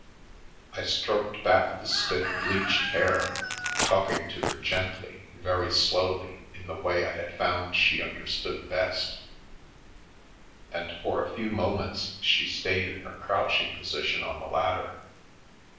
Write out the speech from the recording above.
I stroked back the stiff, bleached hair, talking to her gently and very slowly in the way I had found she understood best, and for a few moments she stayed in her crouching position on the ladder.